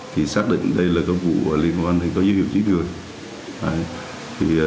thì xác định đây là vụ liên quan đến dư hiệu trí thừa